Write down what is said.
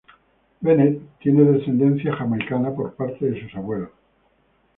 Bennett tiene descendencia jamaicana por parte de sus abuelos.